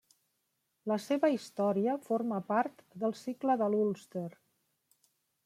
La seva història forma part del Cicle de l'Ulster.